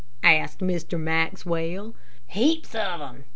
asked Mr. Maxwell. "Heaps of them.